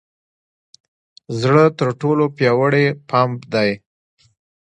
زړه تر ټولو پیاوړې پمپ دی.